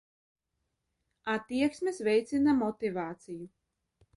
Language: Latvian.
Attieksmes veicina motivāciju.